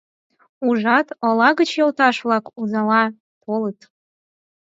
Ужат, ола гыч йолташ-влак унала толыт!